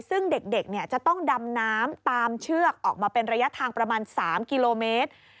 ซึ่งเด็กจะต้องดำน้ำตามเชือกออกมาเป็นระยะทางประมาณ๓กิโลเมตร